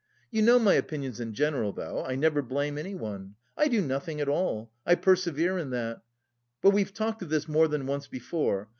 You know my opinions in general, though. I never blame anyone. I do nothing at all, I persevere in that. But we've talked of this more than once before.